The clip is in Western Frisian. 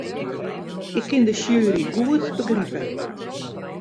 Ik kin de sjuery goed begripe.